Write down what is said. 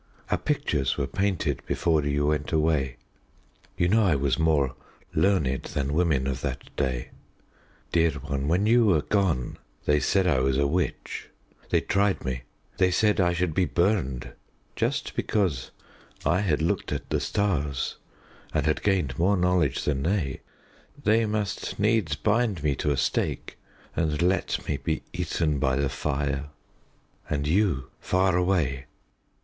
Our pictures were painted before you went away. You know I was more learned than women of that day. Dear one, when you were gone they said I was a witch. They tried me. They said I should be burned. Just because I had looked at the stars and had gained more knowledge than they, they must needs bind me to a stake and let me be eaten by the fire. And you far away!"